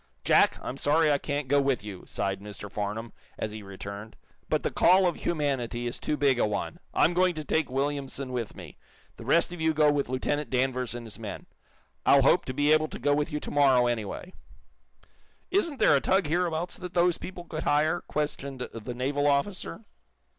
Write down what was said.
"Jack, I'm sorry I can't go with you," sighed Mr. Farnum, as he returned. "But the call of humanity is too big a one. I'm going to take Williamson with me. The rest of you go with Lieutenant Danvers and his men. I'll hope to be able to go with you to morrow, anyway." "Isn't there a tug hereabouts that those people could hire?" questioned the naval officer.